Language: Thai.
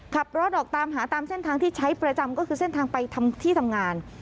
ขับรถออกตามหาตามเส้นทางที่ใช้ประจำก็คือเส้นทางไปที่ทำงาน